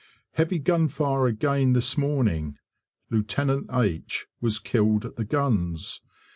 Heavy gunfire again this morning. Lieut. H was killed at the guns.